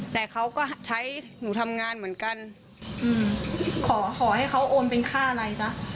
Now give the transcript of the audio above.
แต่เขาก็ใช้หนูทำงานเหมือนกันอืมขอขอให้เขาโอนเป็นค่าอะไรจ๊ะ